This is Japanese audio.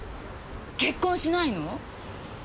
結婚しないの？